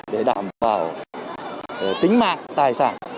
để đảm bảo tính mạng tài sản